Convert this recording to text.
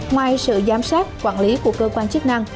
ngoài sự giám sát quản lý của cơ quan chức năng